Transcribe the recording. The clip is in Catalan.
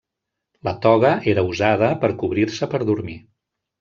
La toga era usada per cobrir-se per dormir.